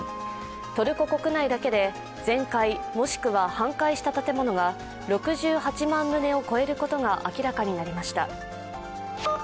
トルコ国内だけで全壊もしくは半壊した建物が６８万棟を超えることが明らかになりました。